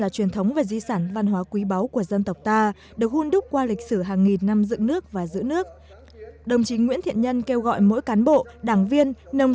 chủ tịch quốc hội nguyễn thiện nhân